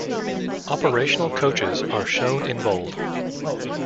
Operational coaches are shown in bold.